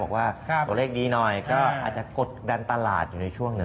บอกว่าตัวเลขดีหน่อยก็อาจจะกดดันตลาดอยู่ในช่วงหนึ่ง